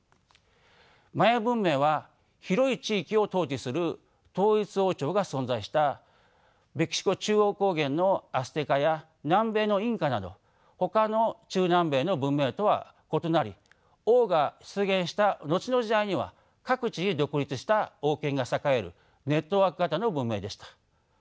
マヤ文明は広い地域を統治する統一王朝が存在したメキシコ中央高原のアステカや南米のインカなどほかの中南米の文明とは異なり王が出現した後の時代には各地に独立した王権が栄えるネットワーク型の文明でした。